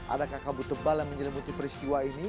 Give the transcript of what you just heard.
adakah kabut tebal yang menyelimuti peristiwa ini